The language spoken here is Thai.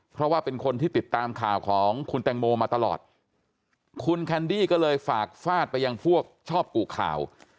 เพราะว่าเป็นคนที่ติดตามข่าวของคุณแตงโมมาตลอดคุณแคนดี้ก็เลยฝากฟาดไปยังพวกชอบกุข่าว